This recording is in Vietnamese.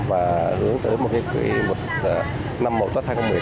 và hướng tới một năm mậu toát thái lan